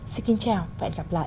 xin kính chào và hẹn gặp lại